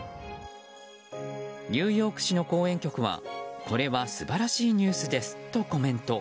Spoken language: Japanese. ニューヨーク市の公園局はこれは素晴らしいニュースですとコメント。